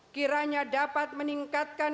kiranya dapat meningkatkan